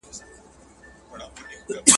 ده خپلواک تصمیم اعلان کړ.